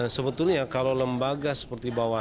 sebetulnya kalau lembaga seperti bawaslu